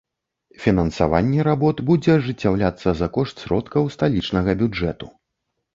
Фінансаванне работ будзе ажыццяўляцца за кошт сродкаў сталічнага бюджэту.